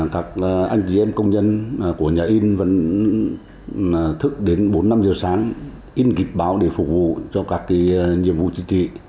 các anh chị em công nhân của nhà in vẫn thức đến bốn năm giờ sáng in kịch báo để phục vụ cho các nhiệm vụ chính trị